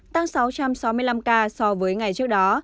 tăng sáu trăm sáu mươi năm ca so với ngày trước đó